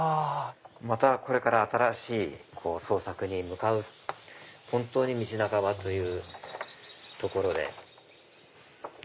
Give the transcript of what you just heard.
またこれから新しい創作に向かう本当に道半ばというところで。